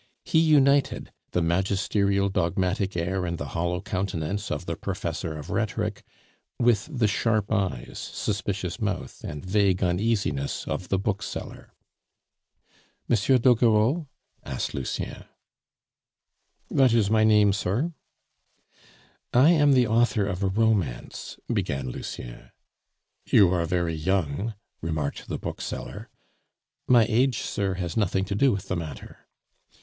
He united the magisterial, dogmatic air, and the hollow countenance of the professor of rhetoric with the sharp eyes, suspicious mouth, and vague uneasiness of the bookseller. "M. Doguereau?" asked Lucien. "That is my name, sir." "You are very young," remarked the bookseller. "My age, sir, has nothing to do with the matter."